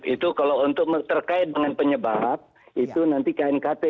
itu kalau untuk terkait dengan penyebab itu nanti knkt